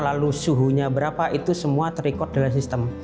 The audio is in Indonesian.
lalu suhunya berapa itu semua ter record dalam sistem